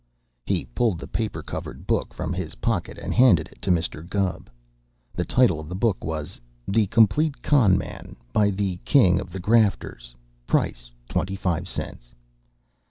He pulled the paper covered book from his pocket and handed it to Mr. Gubb. The title of the book was "The Complete Con' Man, by the King of the Grafters. Price 25 cents."